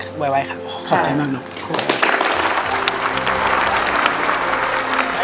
ขอบใจมาก